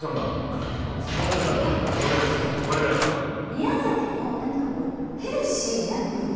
宮崎の何かこうヘルシーなグルメ。